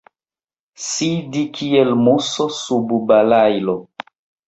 Sidi kiel muso sub balailo.